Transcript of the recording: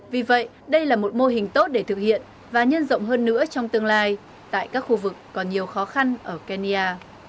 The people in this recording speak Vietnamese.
vì vậy đây là một mô hình tốt để thực hiện và nhân rộng hơn nữa trong tương lai tại các khu vực còn nhiều khó khăn ở kenya